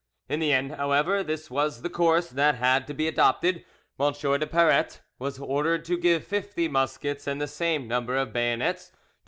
In the end, however, this was the course that had to be adopted: M. de Paratte was ordered to give fifty muskets and the same number of bayonets to M.